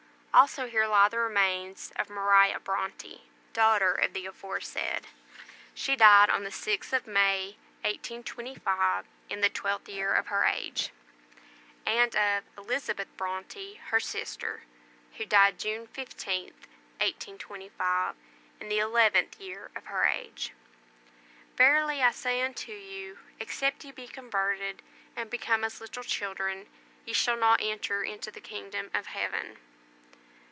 ALSO HERE LIE THE REMAINS OF MARIA BRONTE, DAUGHTER OF THE AFORESAID; SHE DIED ON THE 6TH OF MAY, 1825, IN THE 12TH YEAR OF HER AGE; AND OF ELIZABETH BRONTE, HER SISTER, WHO DIED JUNE 15TH, 1825, IN THE 11TH YEAR OF HER AGE. "Verily I say unto you, Except ye be converted, and become as little children, ye shall not enter into the kingdom of heaven."